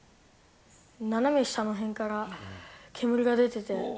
斜め下の辺から煙が出てて。